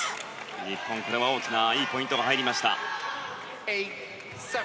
日本、これは大きないいポイントが入りました。